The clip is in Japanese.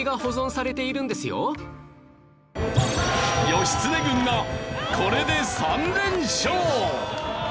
義経軍がこれで３連勝！